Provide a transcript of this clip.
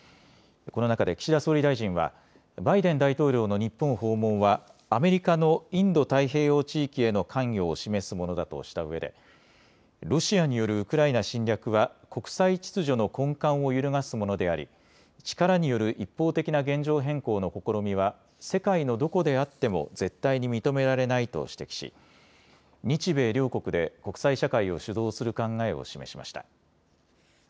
この中で岸田総理大臣はバイデン大統領の日本訪問はアメリカのインド太平洋地域への関与を示すものだとしたうえでロシアによるウクライナ侵略は国際秩序の根幹を揺るがすものであり力による一方的な現状変更の試みは世界のどこであっても絶対に認められないと指摘し日米両国で国際社会を主導する考えを示しました。